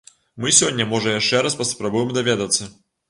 Мы сёння можа яшчэ раз паспрабуем даведацца.